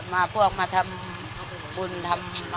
นานค่ะนานเลยแหละค่ะ